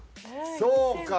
そうか！